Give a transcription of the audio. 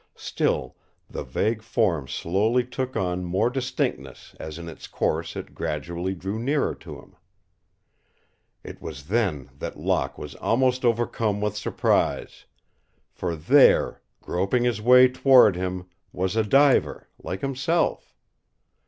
Still, the vague form slowly took on more distinctness as in its course it gradually drew nearer to him. It was then that Locke was almost overcome with surprise. For there, groping his way toward him, was a diver, like himself.